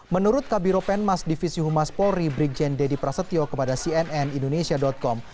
menurut kabiro penmas divisi humas polri brigjen deddy prasetyo kepada cnn indonesia com